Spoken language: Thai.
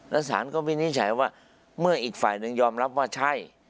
และสารก็วินิจฉัยว่าเมื่ออีกฝ่ายหนึ่งยอมรับว่าใช่